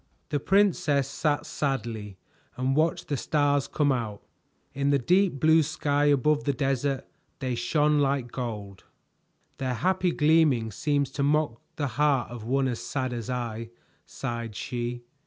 The princess sat sadly and watched the stars come out. In the deep blue sky above the desert they shone like gold. "Their happy gleaming seems to mock the heart of one as sad as I," sighed she.